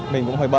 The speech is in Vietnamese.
mình cũng hơi bận